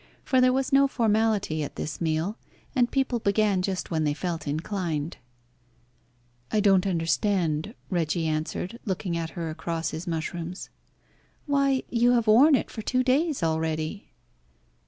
For there was no formality at this meal, and people began just when they felt inclined. "I don't understand," Reggie answered, looking at her across his mushrooms. "Why, you have worn it for two days already."